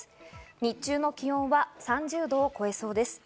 日中の気温は３０度を超えそうです。